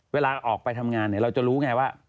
เวลาออกไปทำงานเราจะรู้ไงว่า